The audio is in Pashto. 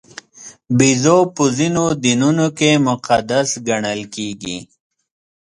بیزو په ځینو دینونو کې مقدس ګڼل کېږي.